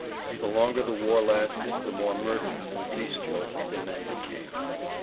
The longer the war lasted the more murderous and bestial the men became.